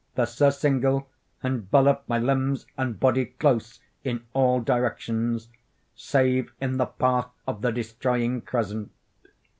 The surcingle enveloped my limbs and body close in all directions—save in the path of the destroying crescent.